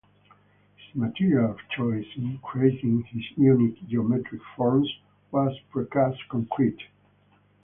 His material of choice in creating his unique geometric forms was pre-cast concrete.